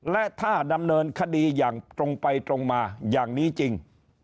และถ้าดำเนินคดีอย่างตรงไปตรงมาอย่างนี้จริง